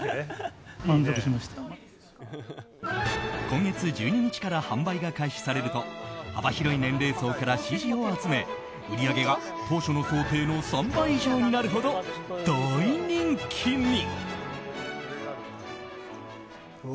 今月１２日から販売が開始されると幅広い年齢層から支持を集め売り上げが当初の想定の３倍以上になるほど大人気に。